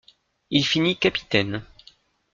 Il finit capitaine.